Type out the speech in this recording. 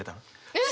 えっ！